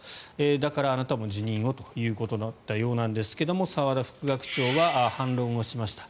だからあなたも辞任をということのようなんですが澤田副学長は反論をしました。